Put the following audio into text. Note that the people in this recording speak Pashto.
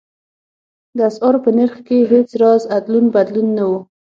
د اسعارو په نرخ کې هېڅ راز ادلون بدلون نه و.